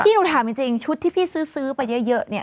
หนูถามจริงชุดที่พี่ซื้อไปเยอะเนี่ย